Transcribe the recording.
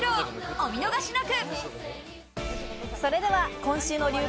お見逃しなく。